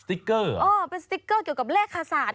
สติ๊กเกอร์เหรอเป็นสติ๊กเกอร์เกี่ยวกับเลขศาสตร์